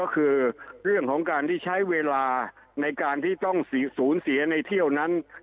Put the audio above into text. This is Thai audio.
ก็คือเรื่องของการที่ใช้เวลาในการที่ต้องสูญเสียในเที่ยวนั้น